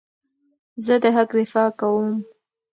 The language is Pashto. زه د حق دفاع کوم.